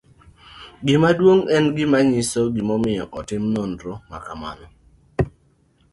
Gima duong' En gima nyiso gimomiyo ne otim nonro ma kamano.